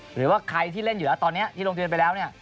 หรือว่าใครที่เล่นอยู่แล้วตอนนี้ที่ลงทะเบียนไปแล้วเนี่ย